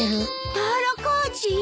道路工事！？